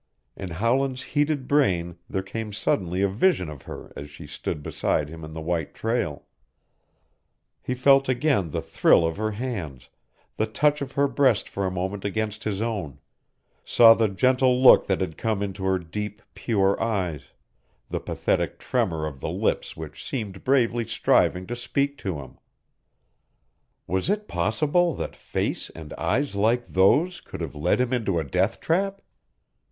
In Howland's heated brain there came suddenly a vision of her as she stood beside him in the white trail; he felt again the thrill of her hands, the touch of her breast for a moment against his own; saw the gentle look that had come into her deep, pure eyes; the pathetic tremor of the lips which seemed bravely striving to speak to him. Was it possible that face and eyes like those could have led him into a deathtrap!